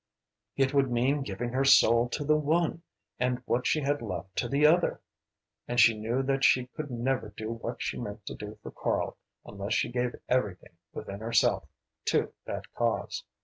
It would mean giving her soul to the one, and what she had left to the other. And she knew that she could never do what she meant to do for Karl unless she gave everything within herself to that cause.